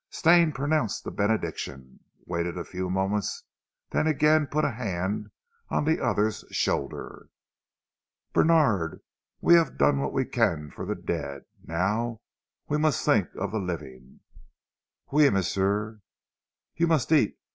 Stane pronounced the benediction, waited a few moments, then again he put a hand on the other's shoulder. "Bènard, we have done what we can for the dead; now we must think of the living." "Oui, m'sieu!" "You must eat!